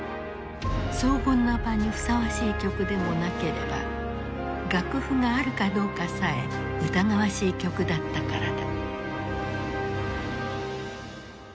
荘厳な場にふさわしい曲でもなければ楽譜があるかどうかさえ疑わしい曲だったからだ。